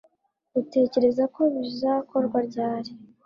Utekereza ko bizakorwa ryari